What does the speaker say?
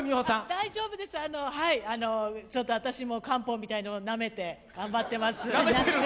大丈夫です、私も漢方みたいなのなめて頑張ってます。